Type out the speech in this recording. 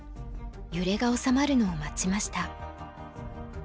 揺れが収まるのを待ちました。